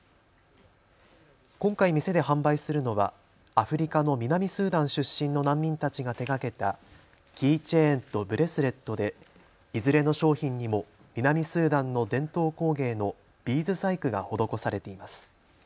今回、店で販売するのはアフリカの南スーダン出身の難民たちが手がけたキーチェーンとブレスレットでいずれの商品にも南スーダンの伝統工芸のビーズ細工が施されています。